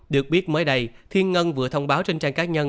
được biết mới đây thiên ngân vừa thông báo trên trang cá nhân